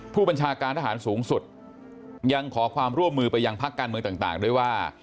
ผู้บัญชาการทหารสูงสุดยังขอความร่วมมือไปยังพักการเมืองต่างด้วยว่า